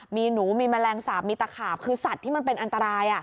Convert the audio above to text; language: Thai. มีหนูมีแมลงสาปมีตะขาบคือสัตว์ที่มันเป็นอันตราย